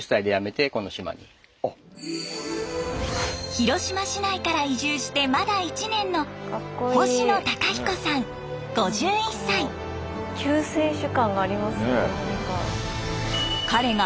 広島市内から移住してまだ１年の救世主感がありますね。